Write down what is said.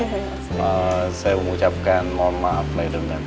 saya mau ucapkan mohon maaf lahirin mbak